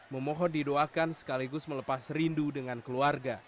memohon didoakan sekaligus melepas rindu dengan keluarga